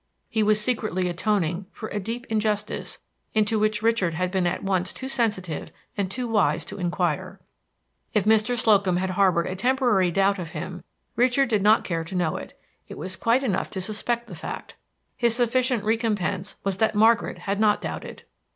He was secretly atoning for a deep injustice, into which Richard had been at once too sensitive and too wise closely to inquire. If Mr. Slocum had harbored a temporary doubt of him Richard did not care to know it; it was quite enough to suspect the fact. His sufficient recompense was that Margaret had not doubted.